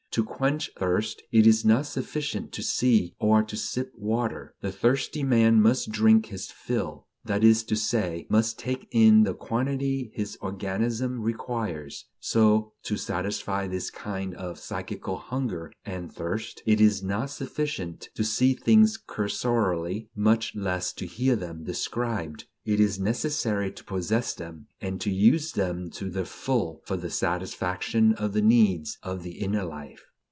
To quench thirst, it is not sufficient to see or to sip water; the thirsty man must drink his fill: that is to say, must take in the quantity his organism requires; so, to satisfy this kind of psychical hunger and thirst, it is not sufficient to see things cursorily, much less "to hear them described"; it is necessary to possess them and to use them to the full for the satisfaction of the needs of the inner life.